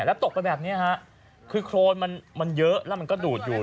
แล้วตกไปแบบนี้ฮะคือโครนมันเยอะแล้วมันก็ดูดอยู่